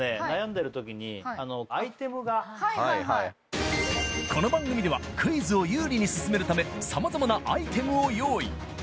悩んでるときにアイテムがこの番組ではクイズを有利に進めるため様々なアイテムを用意